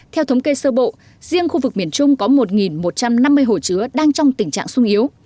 theo thống kê sơ bộ riêng khu vực miền trung có một một trăm năm mươi hồ chứa đang trong tình trạng sung yếu